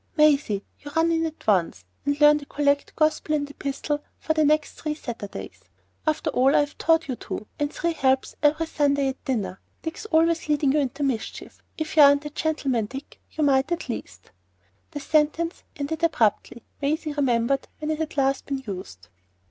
""Maisie, you run in at once, and learn the collect, gospel, and epistle for the next three Sundays. After all I've taught you, too, and three helps every Sunday at dinner! Dick's always leading you into mischief. If you aren't a gentleman, Dick, you might at least—"' The sentence ended abruptly. Maisie remembered when it had last been used.